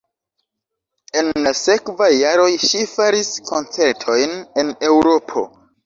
En la sekvaj jaroj ŝi faris koncertojn en Eŭropo.